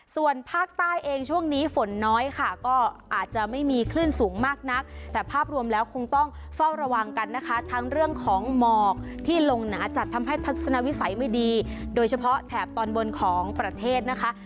ส่วนภาคใต้เองช่วงนี้ฝนน้อยค่ะก็อาจจะไม่มีคลื่นสูงมากนักแต่ภาพรวมแล้วคงต้องเฝ้าระวังกันนะคะทั้งเรื่องของหมอกที่ลงหนาจัดทำให้ทัศนวิสัยไม่ดีโดยเฉพาะแถบตอนบนของประเทศนะคะ